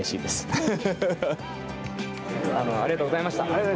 本当ありがとうございました。